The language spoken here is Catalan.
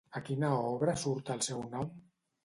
A quina obra surt el seu nom?